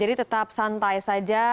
jadi tetap santai saja